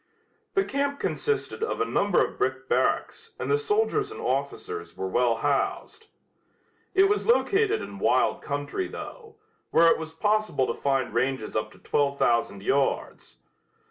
The camp consisted of a number of brick barracks and the soldiers and officers were well housed. It was located in wild country, though, where it was possible to find ranges up to twelve thousand yards.